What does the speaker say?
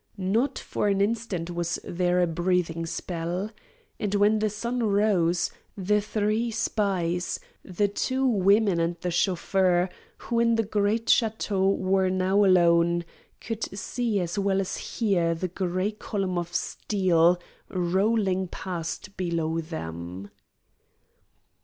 Not for an instant was there a breathing spell. And when the sun rose, the three spies the two women and the chauffeur who in the great chateau were now alone, could see as well as hear the gray column of steel rolling past below them.